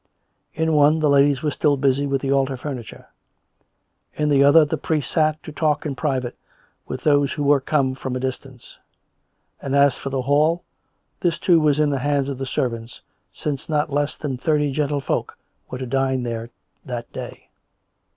In one the ladies were still busy with the altar furniture; in the other the priest sat to talk in private with those who were come from a distance; and as for the hall — this, too, was in the hands of the servants, since not less than thirty gentle folk were to dine there that day.